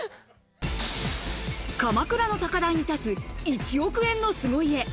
鎌倉の高台に建つ１億円の凄家。